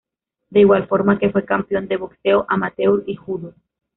De igual forma que fue campeón de boxeo amateur y judo.